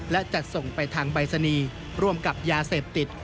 และจัดส่งไปทางใบสนีร่วมกับยาเสพติด